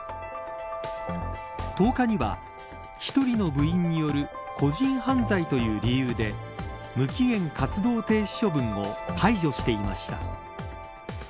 １０日には、１人の部員による個人犯罪という理由で無期限活動停止処分を解除していました。